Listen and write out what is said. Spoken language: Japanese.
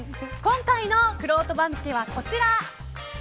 今回のくろうと番付はこちら！